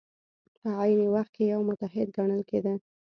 په عین وخت کې یو متحد ګڼل کېده.